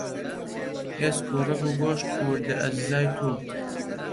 ئێسک و ڕەگ و گۆشت، وردە ئەجزای تۆ